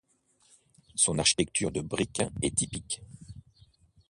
Son architecture de briques est typique.